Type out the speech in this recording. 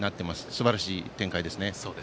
すばらしい展開ですね。